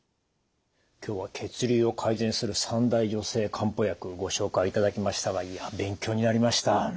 今日は血流を改善する三大女性漢方薬ご紹介いただきましたがいや勉強になりました。